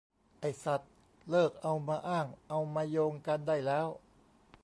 ไอ้สัส เลิกเอามาอ้างเอามาโยงกันได้แล้ว